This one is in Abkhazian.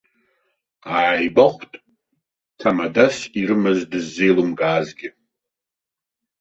Ааигәахәт, ҭамадас ирымаз дыззеилымкаазгьы.